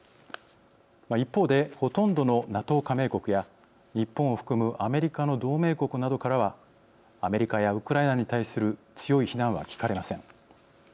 一方でほとんどのＮＡＴＯ加盟国や日本を含むアメリカの同盟国などからはアメリカやウクライナに対する強い非難は聞かれません。